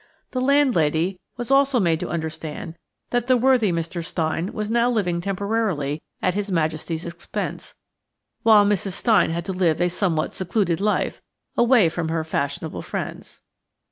The landlady was also made to understand that the worthy Mr. Stein was now living temporarily at His Majesty's expense, whilst Mrs. Stein had to live a somewhat secluded life, away from her fashionable friends.